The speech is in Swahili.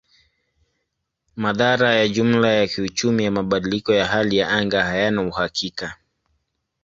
Madhara ya jumla ya kiuchumi ya mabadiliko ya hali ya anga hayana uhakika.